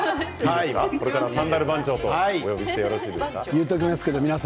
これからサンダルの番長とお呼びしていいですか？